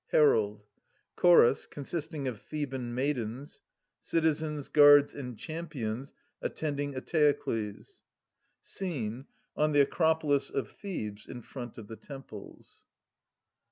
Herald. Chorus, consisting of Theban maidens » Citizens, guards, and champions attending Eteokles, Scene :— On the Acropolis of Thebes, in front of the temples.